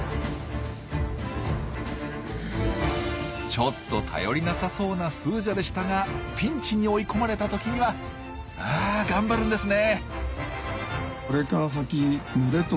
ちょっと頼りなさそうなスージャでしたがピンチに追い込まれたときには頑張るんですね！